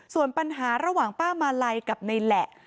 ส่วนปัญหาระหว่างป้ามาลัยกับในแหละ